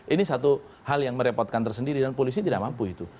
ini satu hal yang merepotkan tersendiri dan polisi tidak mampu itu